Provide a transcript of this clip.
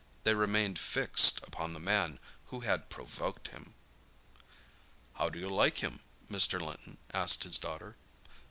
They remained fixed upon the man who had provoked him. "How do you like him?" Mr. Linton asked his daughter.